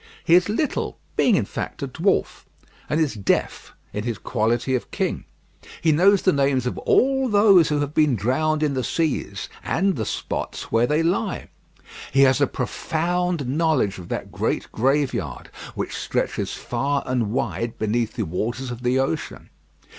He is little, being in fact a dwarf; and is deaf, in his quality of king. He knows the names of all those who have been drowned in the seas, and the spots where they lie. He has a profound knowledge of that great graveyard which stretches far and wide beneath the waters of the ocean.